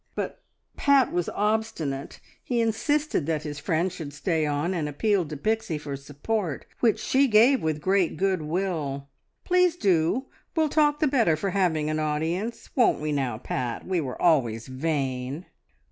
But Pat was obstinate; he insisted that his friend should stay on, and appealed to Pixie for support, which she gave with great good will. "Please do! We'll talk the better for having an audience. Won't we now, Pat? We were always vain."